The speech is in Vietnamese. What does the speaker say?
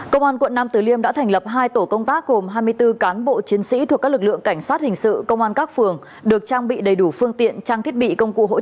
công an quận nam tử liêm đã thành lập hai tổ công tác gồm hai mươi bốn cán bộ chiến sĩ thuộc các lực lượng cảnh sát hình sự công an các phường được trang bị đầy đủ phương tiện trang thiết bị công cụ hỗ trợ